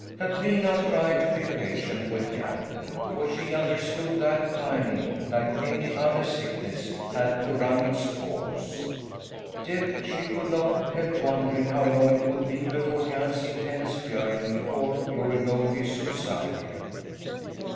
Katrina tried to be patient with Jan, for she understood that pining, like any other sickness, had to run its course. Yet she could not help wondering how long it would be before Jan's intense yearning for Glory Goldie subsided.